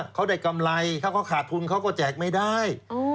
เขาได้กำไรถ้าเขาขาดทุนเขาก็แจกไม่ได้